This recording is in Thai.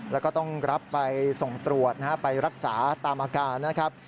แล้วก็ต้องรับไปส่งตรวจนะฮะไปรักษาตามอาการนะครับ